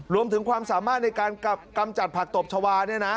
รวมถึงความสามารถในการกำจัดผักตบชาวา